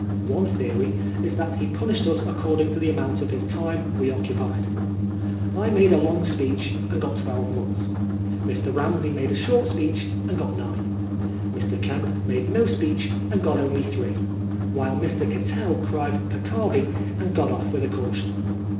One theory is that he punished us according to the amount of his time we occupied. I made a long speech and got twelve months ; Mr. Ramsey made a short speech and got nine ; Mr. Kemp made no speech and got only three ; while Mr. Cattell cried Peccavi and got off with a caution.